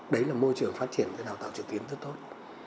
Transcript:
đấy là môi trường phát triển đào tạo trực tuyến rất tốt